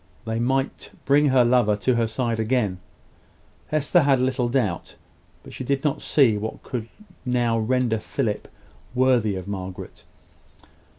They might bring her lover to her side again, Hester had little doubt: but she did not see what could now render Philip worthy of Margaret.